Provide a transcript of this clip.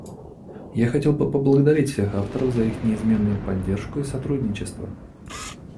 Я хотел бы поблагодарить всех авторов за их неизменную поддержку и сотрудничество.